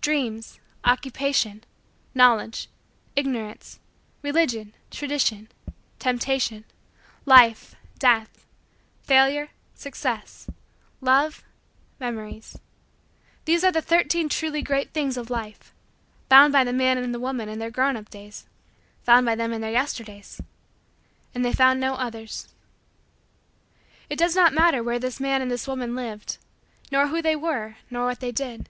Dreams, Occupation, Knowledge, Ignorance, Religion, Tradition, Temptation, Life, Death, Failure, Success, Love, Memories: these are the Thirteen Truly Great Things of Life found by the man and the woman in their grown up days found by them in Their Yesterdays and they found no others. It does not matter where this man and this woman lived, nor who they were, nor what they did.